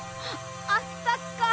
あったかい。